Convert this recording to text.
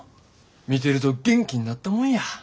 見てると元気になったもんや。